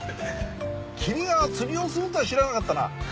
キミが釣りをするとは知らなかったな。